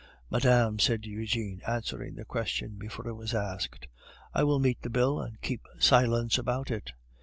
"Madame," said Eugene, answering the question before it was asked, "I will meet the bill, and keep silence about it."